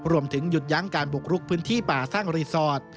รวมถึงหยุดยั้งการบุกรุกพื้นที่ป่าสร้างรีสอร์ท